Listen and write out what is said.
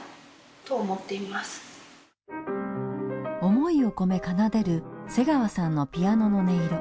思いを込め奏でる瀬川さんのピアノの音色。